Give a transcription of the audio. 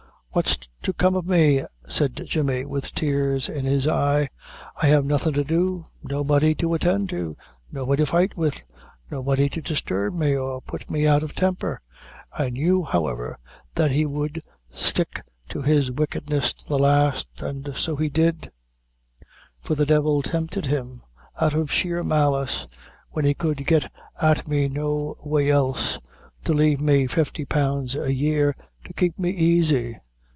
"What's to come o' me?" said Jemmy, with tears in his eye; "I have nothing to do, nobody to attend to, nobody to fight with, nothing to disturb me or put me out of timper; I knew, however, that he would stick to his wickedness to the last an' so he did, for the devil tempted him, out of sheer malice, when he could get at me no way else, to lave me fifty pounds a year, to kape me aisy!